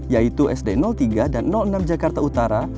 yaitu sd tiga dan enam jakarta utara